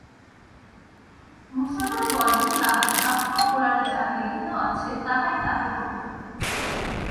মুসলমান বলেন, তাঁহার শাস্ত্র কোরানে যাহা লিখিত আছে, তাহাই তাঁহার কর্তব্য।